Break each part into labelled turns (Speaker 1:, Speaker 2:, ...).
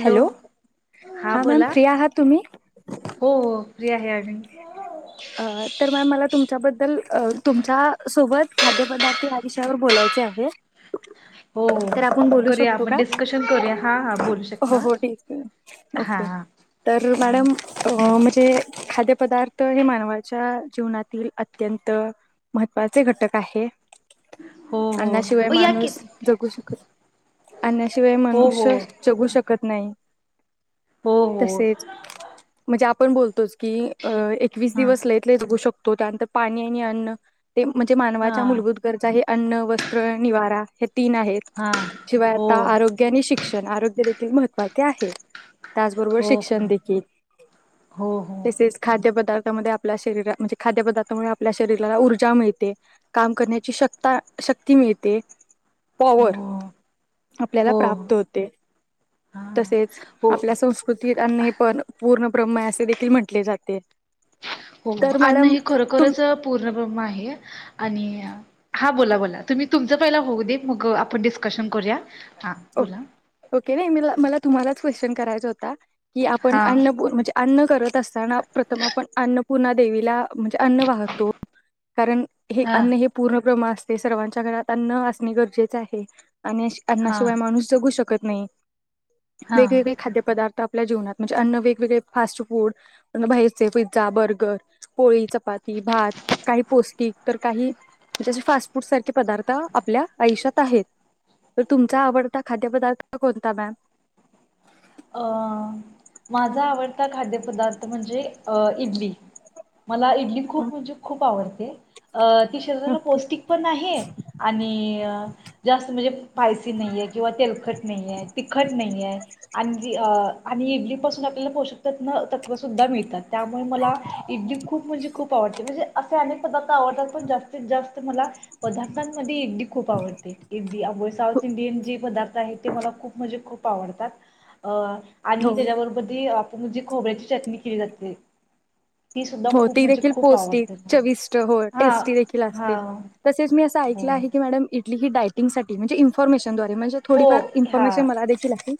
Speaker 1: Hello
Speaker 2: हा
Speaker 1: हां ma'am
Speaker 2: बोला
Speaker 1: फ्री आहात तुम्ही?
Speaker 2: हो हो फ्री आहे आम्ही
Speaker 1: अं तर मॅम मला तुम्ही त्याबद्दल तुमच्या सोबत खाद्य पदार्थ या विषयावर बोलायचे आहे.
Speaker 2: हो हो
Speaker 1: तर आपण बोलू
Speaker 2: करूया
Speaker 1: शकतो
Speaker 2: आपण
Speaker 1: का
Speaker 2: डिस्कशन करूया हा हा बोलू
Speaker 1: हो
Speaker 2: शकता
Speaker 1: हो ठीक आहे
Speaker 2: हा
Speaker 1: ओके तर
Speaker 2: हा
Speaker 1: मॅडम अं मजे हे खाद्य पदार्थ हे मानव वाच्या जीवनातील अत्यंत महत्त्वाचे घटक आहे.
Speaker 2: हो हो
Speaker 1: अन्नाशिवाय
Speaker 2: ओ या की
Speaker 1: माणूस जगू शकत. अन्नाशिवाय
Speaker 2: हो हो
Speaker 1: मनुष्य जगू शकत नाही.
Speaker 2: हो हो
Speaker 1: तसेच म्हणजे आप आपण बोलतोच की एकवीस
Speaker 2: हां
Speaker 1: दिवस लईतले जगू शकतो त्यानंतर पाणी आणि अन्न ते म्हणजे मानवाच्या
Speaker 2: हां
Speaker 1: मलभूत गरजा हे अन्न, वस्त्र, निवारा हे तीन आहेत
Speaker 2: हां
Speaker 1: शिवाय
Speaker 2: हो
Speaker 1: आता आरोग्य आणि शिक्षण आरोग्य देखील हे महत्त्वाचे आहेत. त्याचबरोबर
Speaker 2: हो
Speaker 1: शिक्षण
Speaker 2: हो
Speaker 1: देखील
Speaker 2: हो
Speaker 1: तसेच खाद्यपदार्थ त्याच्यामधे आपल्या शरीर म्हणजे खाद्य पदार्थामुळे आपल्या शरीराला ऊर्जा मिळते काम करण्याची शक्ता शक्ती मिळते. पॉवर
Speaker 2: हो
Speaker 1: आपल्याला
Speaker 2: हो
Speaker 1: प्राप्त होते
Speaker 2: हा
Speaker 1: तसेच
Speaker 2: हो
Speaker 1: आपल्या संस्कृतीत अन्न हे पण पूर्ण ब्रम्ह असे देखील म्हटले जाते
Speaker 2: हो
Speaker 1: तर
Speaker 2: अन्न
Speaker 1: मॅडम
Speaker 2: हे
Speaker 1: तुम
Speaker 2: खरोखरच पूर्णबम आहे आणि हा बोला बोला तुम्ही तुमचं पहिला होऊ दे मग आपण डिस्कशन करूया हा
Speaker 1: ओ
Speaker 2: बोला
Speaker 1: ओके वय मी मला तुम्हालाच क्वेशन करायचां होता की आपण
Speaker 2: हा
Speaker 1: अन्न अन्न करत असताना प्रथम आपण अन्न पुन्हा देवीला म्हणजे अन्न वाहतो. कारण हे
Speaker 2: हा
Speaker 1: अन्न हे पूर्णब्रम्ह असत ते सर्वांच्या घरात अन्न असणे गरजेचे आहे. आणि अ
Speaker 2: हा
Speaker 1: आण्णाशिवाय माणूस जगू शकत नई
Speaker 2: हा
Speaker 1: वेगवेगळे खाद्य पदार्थ आपल्या जीवनात म्हणजे अन्न वेगवेगळे फास्ट फूड बाहेरचे पिझ्झा, बर्गर, पोळी, चपाती, भात काही पौष्टिक तर काही जे असे फास्ट फूड सारखे पदार्थ आपल्या आयुष्यात आहेत तर तुमचा आवडता खाद्यपदार्थ कोणता मॅम?
Speaker 2: अ माझा आवडता खाद्यपदार्थ म्हणजे अ इडली. मला इडली खूप म्हणजे खूप आवडते अ ती शरीराला
Speaker 1: ओके
Speaker 2: पौष्टिक पण आहे आणि जास्त म्हणजे पायसी नाहीये किंवा तेलखट नाहीये, तिखट नाही आहे आन जी अ आणि इडली पासून आपल्याला पोषकतत्व तत्व सुद्धा मिळतात त्यामुळे मला इडडी खूप म्हणजे खूप आवडते म्हणजे असे अनेक पदार्थ आवडतात पण जास्तीत जास्त मला पदार्थांमध्ये इडली खूप आवडते इडली साऊथ इंडियन जे पदार्थ आहे ते मला खूप म्हणजे खूप आवडतात. अ आणि
Speaker 1: हो
Speaker 2: त्याच्याबरोबर ती म्हणजे खोबऱ्याची चटणी केली जाते ती सुद्धा
Speaker 1: हो
Speaker 2: खूप
Speaker 1: ती
Speaker 2: म्हणजे
Speaker 1: देखील
Speaker 2: खूप
Speaker 1: पौस्टिक
Speaker 2: आवडते मला.
Speaker 1: चविष्ट
Speaker 2: हा
Speaker 1: टेस्टी देख
Speaker 2: हा
Speaker 1: असते तसेच मी असं
Speaker 2: हो
Speaker 1: ऐकलं आहे की मॅडम इडली ही डायटंगसाठी म्हणे इन्फॉमेशन डोन्ट वरी म्हणजे
Speaker 2: हो
Speaker 1: थोडीफार
Speaker 2: हा
Speaker 1: इन्फॉर्मेशन मला देखील आहे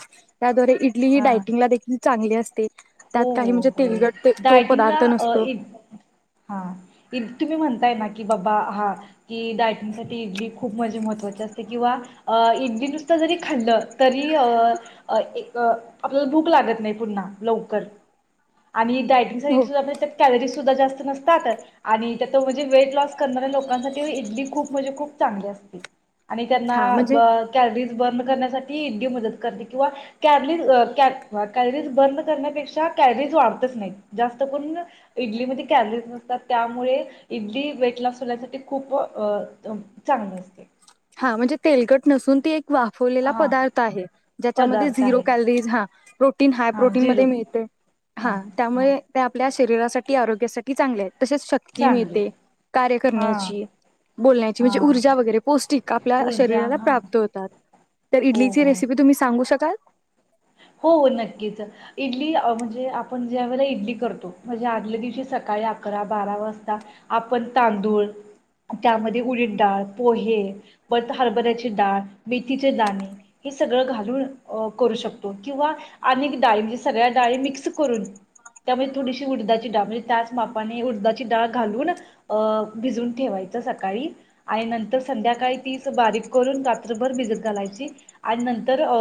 Speaker 1: इतकीही
Speaker 2: हा
Speaker 1: डायटंगला देखील चांगले असते.
Speaker 2: हो
Speaker 1: त्यात काही
Speaker 2: हो
Speaker 1: म्हणजे
Speaker 2: हो
Speaker 1: तेलगट ते तो पदार्थ
Speaker 2: डायटिंगला
Speaker 1: नस
Speaker 2: अ हा तुम्ही म्हणताय की बाबा हा कि डायटिंगसाठी इडली खूप मजे महत्वाची असते किंवा इडली नुसत जरी खाल्लं तरी एक आपल्याला भूक लागत नाही पुन्हा लव आणि
Speaker 1: हो
Speaker 2: डायटिंग कॅलरीज सुद्धा जास्त त्या म्हणजे वेट लस करणाऱ्या लोकांसाठी इडली खूप म्हणजे खूप चांगली असते. आणि
Speaker 1: हा म्हणजे
Speaker 2: त्यांना कॅलरी बंद करण्या साठी इडली मदद करते किंवा कारली बंद करण्या कॅलरीज वापरत नाहीत जास्त पण इडलीमध्ये कॅ नसतात त्यामुळे इडली वेट लॉस होण्यासाठी खूप अ चांगली असते
Speaker 1: हा म्हणजे तेलगट नसून ते वाफवलेला
Speaker 2: हा
Speaker 1: पदार्थ आहे. ज्याच्यामध्ये
Speaker 2: पदार्थ
Speaker 1: झिरो
Speaker 2: आहे
Speaker 1: कॅलरीज ह हाय
Speaker 2: हा
Speaker 1: प्रोटीन
Speaker 2: झिरो
Speaker 1: मध्ये लिहितय हा त्यामुळे त्या आपल्या शरीरासाठी आरोग्यासाठी चांगले आहेत. तसेच शक्ती
Speaker 2: चांगली
Speaker 1: मिळते
Speaker 2: आहे.
Speaker 1: कार्य
Speaker 2: हा
Speaker 1: करण्याची बोलण्याची म्हणजे
Speaker 2: हा
Speaker 1: ऊर्जा वगैरे पौष्टिक आपल्या
Speaker 2: ऊर्जा
Speaker 1: शरीराला
Speaker 2: हा
Speaker 1: प्राप्त होतात तर
Speaker 2: हो
Speaker 1: इडलीची
Speaker 2: हो.
Speaker 1: रेसिपी तुम्ही सांगू शक चाल
Speaker 2: हो नक्कीच इडली म्हणजे आपण ज्या वेळेला इडली करतो म्हणजे आदल्या दिवशी सकाळी अकरा बारा वाजता आपण तांदूळ त्यामध्ये उडी डाळ पोहे बत हरभऱ्याचे डाळ मेथीचे दाणे हे सगळं घालून करू शकत किंवा अनेक डाळी म्हणजे सगळ्या डाळी मिक्स करून त्यामध्ये थोडीशी उडदाची डाळ म्हणजे त्याच मापाने उडदाची डाळ घालून अ भिजवून ठेवायच सकाळी आणि नंतर संध्याकाळी तीच बारीक करून रात्रभर भिजत घालायची आणि नंतर अ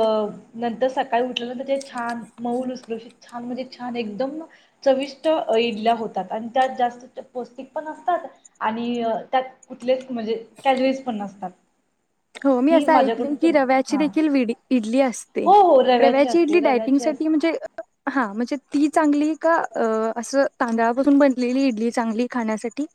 Speaker 2: नंतर सका काही उठल्या छान मऊल उचल छान म्हणजे छान एकदम चविष्ट इडल्या होतात आणि त्यात जास्त पौष्टिक पण असतात आणि त्यात कुठलेच म्हणजे कॅलरीज पण नसतात.
Speaker 1: हो मी
Speaker 2: ही
Speaker 1: असं ऐकले
Speaker 2: माझ्याकडून
Speaker 1: की
Speaker 2: तुम
Speaker 1: रव्याची
Speaker 2: हा
Speaker 1: देखील इडली असते.
Speaker 2: हो हो
Speaker 1: रव्याची
Speaker 2: असते
Speaker 1: इडली
Speaker 2: रव्याची
Speaker 1: डायटिंगसाठीठी
Speaker 2: असते
Speaker 1: म्हणजे हां म्हणजे ती चांगली का अस तांदळापासून बनलेली इडली चांगली खाण्यासाठी?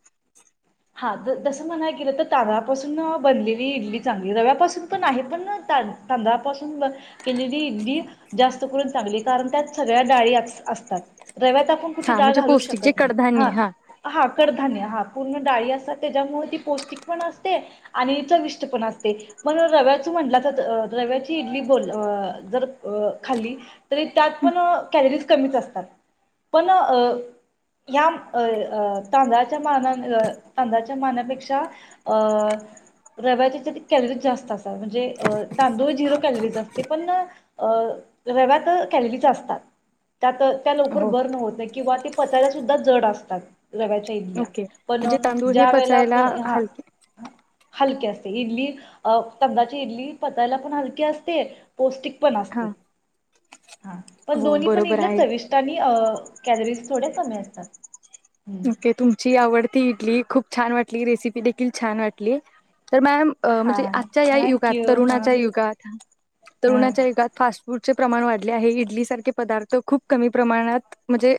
Speaker 2: तसं म्हणाय गेलं तर तांदळापासून बनलेली इडली चांगली रव्यापासून पण आहे पण तांदळापासून केलेली इडली जास्त करून चांगली कारण त्यात सगळ्या डाळी असतात. रव्यात आपण कुठे
Speaker 1: हा
Speaker 2: डाळ
Speaker 1: म्हणजे
Speaker 2: घालू
Speaker 1: पौष्टिक जे
Speaker 2: शकत नाही हा
Speaker 1: कडधान्य
Speaker 2: हा कड धान्य हा पूर्ण डाळी असतात त्याच्यामुळे ती पौष्टिक पण असते आणि चविष्ट पण असते पण रव्याच म्हटलं तर रव्याची इडली बोल जर अं खाल्ली तर त्यात पण कॅलरीज कमीच असतात पण अं अं हया तांदळाच्या मानान तांदळाच्या मानापेक्षा अ रव्याच्या याच्यात कॅलरीज जास्त असतात म्हणजे अ तांदूळ झिरो कॅलरीज असते पण अ रव्यात कॅलरीज असतात त्यात त्या लवकर
Speaker 1: हो
Speaker 2: बर्न होत नाही किंवा ते पचायल्या सुद्धा जड असतात. रव्याच्या ईडल्या पण
Speaker 1: दूध हे
Speaker 2: ज्या
Speaker 1: पचायला हाल
Speaker 2: हलके असते इडली तांदळाची इडली पचायला पण हलकी असते पौष्टिक पण
Speaker 1: हा
Speaker 2: असते ह पण
Speaker 1: हो
Speaker 2: दोन्ही पण
Speaker 1: बरोबर
Speaker 2: इडल्या
Speaker 1: आहे.
Speaker 2: चविष्ट आणि कॅलरीज थोड्या कमी अस [inaudible]
Speaker 1: ओके तुमची आवड ती इडली खूप छान वाटली रेसिपी देखील छान वाटली. तर मॅम
Speaker 2: हा
Speaker 1: म्हणजे आजच्या या
Speaker 2: थँक
Speaker 1: युगात
Speaker 2: यू हा
Speaker 1: तरुणाच्या युगात
Speaker 2: हा
Speaker 1: तरुणाच्या युगात फास्ट पुढचे प्रमाण वाढले आहे इडली सारखे पदार्थ खूप कमी प्रमाणात म्हणजे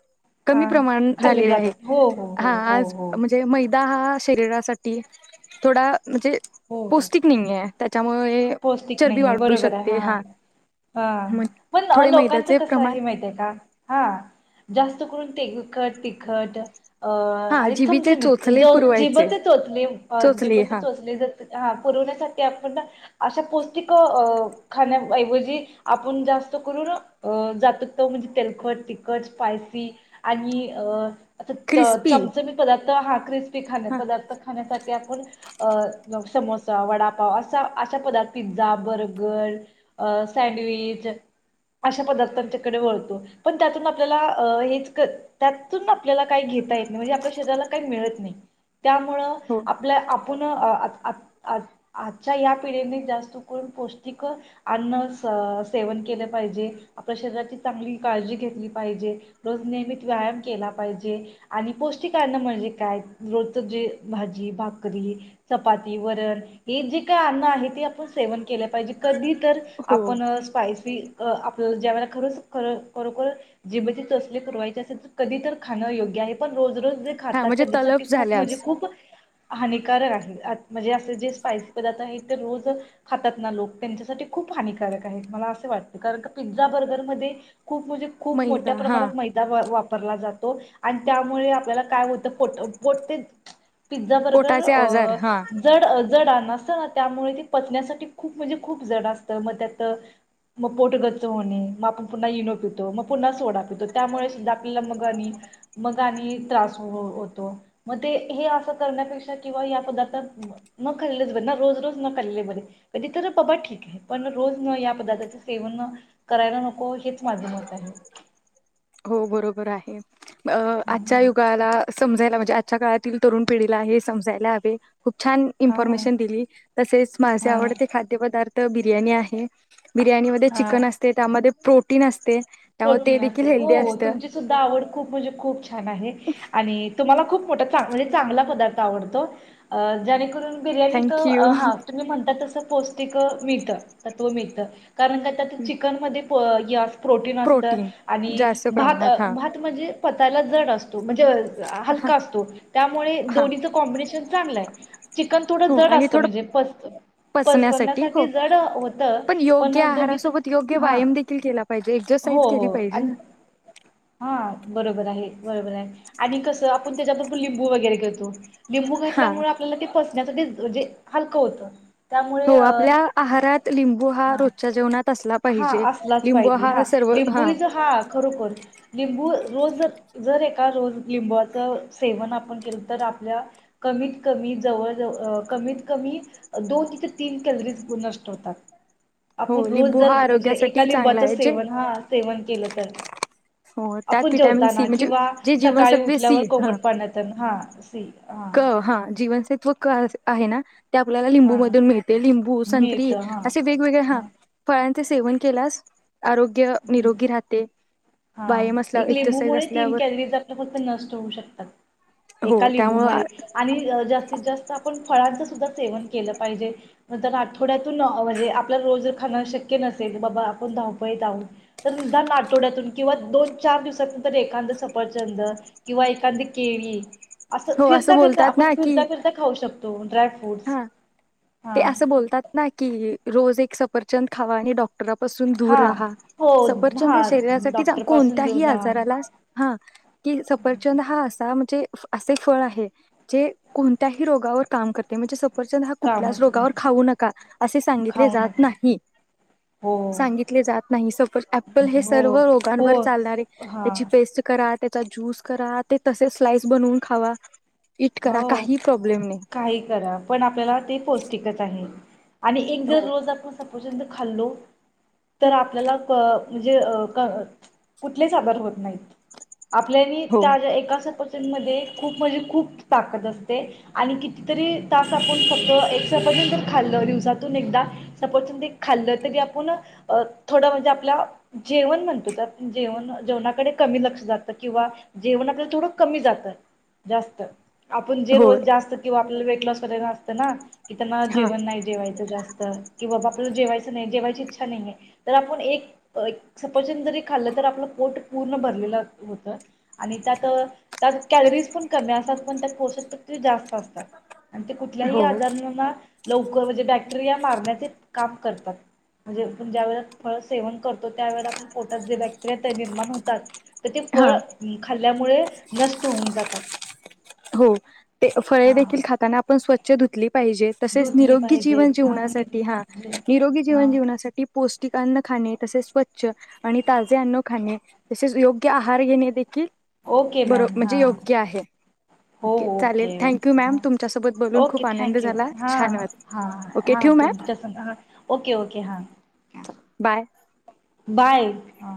Speaker 2: हा
Speaker 1: कमी प्रमाण
Speaker 2: खाल्ले
Speaker 1: झालेले आहेत.
Speaker 2: जातात हो हो
Speaker 1: हा
Speaker 2: हो हो
Speaker 1: आज
Speaker 2: हो
Speaker 1: म्हणजे मै हा हा शरीरासाठी थोडा म्हणजे
Speaker 2: हो हो
Speaker 1: पौष्टिक नहीये.
Speaker 2: पौष्टिक नाही हे बरोबर आहे हा हा
Speaker 1: मग
Speaker 2: पण
Speaker 1: थोडे
Speaker 2: लोकांच
Speaker 1: मैद्याचे
Speaker 2: कस
Speaker 1: प्रमाण
Speaker 2: हे माहित आहे का हा जास्त करून ते तिखट तिखट अ
Speaker 1: हा
Speaker 2: आणि
Speaker 1: जिबीचे
Speaker 2: चमचमीत
Speaker 1: चोचले
Speaker 2: ज
Speaker 1: पुरवायचे
Speaker 2: जिबचेचोचले अं
Speaker 1: चोचले हा
Speaker 2: जिबचेचोचले जर हा पुरवण्यासाठी आपणना अशा पौष्टिक खाण्या ऐवजी आपण जास्त करून अ जात त म्हणजे तेलखट तिखट स्पायसी आणि अ अछा च
Speaker 1: क्रिस्पी
Speaker 2: चमचमीत पदार्थ हा क्रि ते खाण्या
Speaker 1: हा
Speaker 2: पदार्थ खाण्यासाठी आपण जाऊ समोसा वडापाव असा आ अन्न पदार्थ पिझ्झा बर्गर अं सँडविच अशा पदार्थ त्यांच्याकडे वळतो पण त्यातून आपल्याला हेच कर त्यातून आपल्याला काही घेता येत म्हणजे आपल्या शरीराला काही मिळत नाही. त्यामुळं
Speaker 1: हो
Speaker 2: आपल्या आप आपुण आज आज आज आजच्या या पिढीने जास्त करून पौष्टिक अन्न स सेवन केलं पाहिजे आपल्या शरीराची चांगली काळजी घेतली पाहिजे रोज नियमित व्यायाम केला पाहिजे आणि पौष्टिक अन्न म्हणजे काय रोजच जे भाजी भाकरी चपाती वरण हे जे काय अन्न आहे ते आपण सेवन केल्या पाहिजे कधी तर
Speaker 1: हो
Speaker 2: आपण स्पायसी अं आपलं ज्यावेळेला खरंच खर खरोखर जिबेचे चोचले पुरवायचे असेल तर कधी तर खाणं योग्य आहे पण रोज रोज जे
Speaker 1: हा
Speaker 2: खातात
Speaker 1: म्हणजे
Speaker 2: त्याच्या साठी
Speaker 1: तलप
Speaker 2: खूप म्हणजे
Speaker 1: झाल्यास
Speaker 2: खूप हानी [unintelligible] म्हणजे अस जे स्पाइसी पदार्थ आहेत रोज खातात ना लोक त्यांच्यासाठी खूप हानिकक आहेत मला असे वाटत कारण पिझ्झा बर्गरमध्ये खूप म्हणजे खूप मोठ्या
Speaker 1: मैदा हा
Speaker 2: प्रमाणात मैदा वाप वापरला जातो आणि त्यामुळे आपल्याला काय होत पोट ते पिझ्झा बर्गर
Speaker 1: पोटाचे आजार
Speaker 2: अ
Speaker 1: हा
Speaker 2: जड जड [unintelligible] त्यामुळे ते पचण्यासाठी खूप म्हणजे खूप जड असतं मग त्यात मग पोटगच्च होणे मग आपण पुन्हा इनो पितो मग पुन्हा सोडा पितो त्यामुळे सुद्धा आपल्याला मग आणि मग आणि त्रास होतो मग ते हे असं करण्यापेक्षा किंवा या पदार्थात न खाल्लेच बर ना रोज रोज न खाललेल बर कधी तर बाबा ठीक आहे पण रोज न या पदार्थाच सेवन करायला नको हेच माझं मत आहे.
Speaker 1: हो बरोबर आहे. अ
Speaker 2: हा
Speaker 1: आजच्या युगाला समजायला म्हणजे आजच्या काळातील तरुण पिढीला हे समजायला हवे. खूप छान
Speaker 2: हा
Speaker 1: इन्फॉर्मेशन दिली तसेच माझे
Speaker 2: हा
Speaker 1: आवडते खाद्यपदार् बिर्याणी आहे बिर्याणीमध्ये
Speaker 2: हा
Speaker 1: चिकन असते त्यामध्ये प्रोटीन असते त्यामुळे ते
Speaker 2: प्रोटीन
Speaker 1: देखी
Speaker 2: असेल हो तुमची सुद्धा आवड खूप म्हणजे खूप छान आहे आणि तुम्हाला खुप मोठा म्हणजे चांगला पदार्थ आवडतो जेणेकरून बिर्याणीत
Speaker 1: थँक यू
Speaker 2: हा तुम्ही म्हणता तसं पौष्टिक मिळत तत्व मिळत कारण का त्यात चिकनमध्ये यात प्रोटीन आणि
Speaker 1: जास्त
Speaker 2: भात
Speaker 1: प्रमाणात हा
Speaker 2: भात म्हणजे पचायला जड अस तो म्हणजे
Speaker 1: हा
Speaker 2: हलका असतो त्यामुळे
Speaker 1: हा
Speaker 2: दोन्हीच कॉम्बिनेशन चांगलंय चिकन थोडं
Speaker 1: हो
Speaker 2: जड
Speaker 1: आणि
Speaker 2: असतं
Speaker 1: थोडं
Speaker 2: म्हणजे पच पचण्यासाठी जड होतं पण
Speaker 1: योग्य
Speaker 2: दोन्हीचं
Speaker 1: आहारासोबत योग्य
Speaker 2: हा
Speaker 1: व्यायाम देखील केला पाहिजे एक्सरसाइज
Speaker 2: हो
Speaker 1: केली
Speaker 2: हो
Speaker 1: पाहिजे
Speaker 2: आणि
Speaker 1: ना
Speaker 2: हा बरोबर आहे. बरोबर आहे आणि कसं आपण त्याच्या बरोबर लिंबू वगैरे घेतो लिंबू
Speaker 1: हा
Speaker 2: घातल्यामुळ आपल्याला ते पच [unintelligible] हलकं होतं त्यामुळे
Speaker 1: हो
Speaker 2: अ
Speaker 1: आपल्या आहारात लिंबू हा रोजच्या जेवणात असला
Speaker 2: हा
Speaker 1: पाहिजे
Speaker 2: असलाच
Speaker 1: लिंबू
Speaker 2: पाहिजे हा
Speaker 1: सर्व
Speaker 2: लिंबूच हा खरोखर लिंबू रोज जर जर एका रोज लिंबाचं सेवन आपण केलं तर आपल्या कमीत कमी जवळ जव कमीत कमी दोन ते तीन कॅलरीज नष्ट होतात.
Speaker 1: हो
Speaker 2: आपण रोज
Speaker 1: लिंबू
Speaker 2: जर
Speaker 1: हा
Speaker 2: म्हणजे एका
Speaker 1: आरोग्यासाठी चांगला
Speaker 2: लिंबाच
Speaker 1: आहे जे
Speaker 2: सेवन हा सेवन केलं तर
Speaker 1: हो त्यात
Speaker 2: आपण
Speaker 1: विटॅमिन
Speaker 2: जेवताना
Speaker 1: सी म्हणजे
Speaker 2: किंवा
Speaker 1: जे
Speaker 2: सकाळी
Speaker 1: जीवनसत्वे
Speaker 2: उठल्यावर
Speaker 1: सी हा
Speaker 2: कोमट पाण्यात ना हा सी हा
Speaker 1: क हा [unintelligible] आहे ना ते आपल्याला लिंबू
Speaker 2: हा
Speaker 1: मधून मिळते लिंबू
Speaker 2: मिळत
Speaker 1: संत्री
Speaker 2: हा
Speaker 1: असे वेगवेगळे हा फळा ते सेवन केलास आरोग्य
Speaker 2: हम्म.
Speaker 1: निरोगी राहते.
Speaker 2: हा
Speaker 1: व्यायाम असल्या
Speaker 2: एक
Speaker 1: एक्सरसाइज
Speaker 2: लिंबूमुळे तीन
Speaker 1: असल्यावर
Speaker 2: कॅलरीज आपल्या फक्त नष्ट होऊ शकतात एका
Speaker 1: हो त्यामुळे
Speaker 2: लिंबूमुळे आणि जास्तीत जास्त आपण फळांचा सुद्धा सेवन केलं पाहिजे नंतर आठवड्यातून म्हणजे आपल्याला रोज जर खाण शक्य नसेल बाबा आपण धावपळीत आहोत तर निदान आठवड्यातून किंवा दोन चार दिवसांनंतर एखांद सफरचंद किंवा एखांदी केळी असं
Speaker 1: हो
Speaker 2: फिरता फिरता
Speaker 1: बोलतात
Speaker 2: आपण
Speaker 1: ना की
Speaker 2: फिरता फिरता खाऊ शकतो ड्राय फ्रूटस
Speaker 1: हा ते असं बोलतात ना की, रोज एक सफरचंद खावा आणि डॉक् र पासून दूर
Speaker 2: हा
Speaker 1: राहा
Speaker 2: हो
Speaker 1: सफरचंद
Speaker 2: हा
Speaker 1: हे शरीरासाठी
Speaker 2: डॉक्टर पासून दूर
Speaker 1: कोणत्याही
Speaker 2: राहा
Speaker 1: आजाराला ह की सफरचंद हा असा म्हणजे असे फळ आहे जे कोणत्याही रोगावर काम करते म्हणजे सफरचंद हा
Speaker 2: काम
Speaker 1: कुठल्याच रोगावर खाऊ नका असे सांगितले
Speaker 2: खाऊ
Speaker 1: जात
Speaker 2: नका
Speaker 1: नाही
Speaker 2: हो
Speaker 1: सांगितले जात नाही सपोज ऍपल हे
Speaker 2: हो
Speaker 1: सर्व
Speaker 2: हो
Speaker 1: रोगांवर चालणारे
Speaker 2: हा
Speaker 1: त्याची पेस्ट करा त्य ज्यूस करा ते तसे स्लाइस बनवून खावा. इट
Speaker 2: हो
Speaker 1: करा काही प्रॉब्लेम नाही
Speaker 2: काही करा पण आपल्याला ते पौष्टिकच आहे. आणि एक
Speaker 1: हो
Speaker 2: दररोज आपण स पुसंत खाल्ले तर आपल्याला आ म्हणजे अ कुठलेच आजार होत नाहीत. आपल्यानी
Speaker 1: हो
Speaker 2: त्या एका सफरचंद मध्ये खूप म्हणजे खूप. ताकद असते आणि किती कितीतरी तास आपण फक्त एक सफरचंद खाल्ल दिवसात आठवड्यातून एकदा सफरचंद एक खाल्लं तरी आपण थोडं म्हणजे आपल्या जेवण म्हणतो तर जेवण जेवणाकडे कमी लक्ष जात किंवा जेवण आपल्याला थोडं कमी जात जास्त. आपण जे
Speaker 1: हो
Speaker 2: रोज जास्त किंवा आपल्या व कसेतरी असते ना. कि त्यांना
Speaker 1: हा
Speaker 2: जेवण नाही जेवायचं जास्त किंवा जेवायच नाही जेवायची इच्छा नाहीये तर आपण एक एक सपचंद जरी खाल्ल तर आपल पोट पूर्ण भरलेल होत आणि त्यात त्यात कॅलरीज पण कमी असतात. पण पोषक ते जास्त असतात आणि ते कुठल्याही
Speaker 1: हो
Speaker 2: आजारणांना लवकर म्हणजे बॅक्टेरिया मारण्याचे काम करतात म्हणजे आपण ज्या वेळे फळ सेवन करतो त्यावेळे आपण पोटात जे बॅक्टेरिया ते निर्माण होतात. त ते
Speaker 1: हा
Speaker 2: फळ खाल त्यामुळे नष्ट होऊन जातात.
Speaker 1: हो ते फळे
Speaker 2: हा
Speaker 1: देखील खाताना आपण स्वचछ धुतली पाहिजे तसेच
Speaker 2: धुतली
Speaker 1: निरोगी
Speaker 2: पाहिजेत
Speaker 1: जीवन
Speaker 2: हा
Speaker 1: जीवसाठी हा निरोगी जीवन
Speaker 2: हा
Speaker 1: जीवसाठी पौष्टिक अन्न खाणे तसेच स्वच्छ आणि ताजे अन्न खाणे तसेच योग्य आहार घेणे देखील
Speaker 2: ओके
Speaker 1: बर
Speaker 2: मॅम
Speaker 1: म्हणजे
Speaker 2: हा
Speaker 1: योग्य आहे.
Speaker 2: हो ओके
Speaker 1: चालेल थँक्यू
Speaker 2: ओके
Speaker 1: मॅम
Speaker 2: हा
Speaker 1: तुमच्यासोबत बोलून
Speaker 2: ओके
Speaker 1: खूप आनंद
Speaker 2: थँक्यू
Speaker 1: झाला
Speaker 2: हा
Speaker 1: छान वाटलं
Speaker 2: हा
Speaker 1: ओके
Speaker 2: हा
Speaker 1: ठेवू मॅम
Speaker 2: तुमस ह ओके ओके हा.
Speaker 1: बाय
Speaker 2: बाय हा.